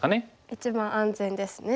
一番安全ですね。